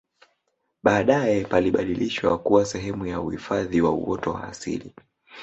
baadae palibadilishwa kuwa sehemu ya uhifadhi wa uoto wa asili